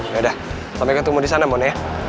yaudah sampai ketemu di sana mon ya